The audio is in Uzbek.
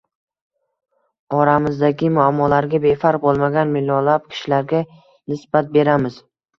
oramizdagi muammolarga befarq bo‘lmagan millionlab kishilarga nisbat beramiz